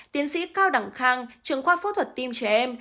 tiến sĩ cao đẳng khang trường khoa phẫu thuật tim trẻ em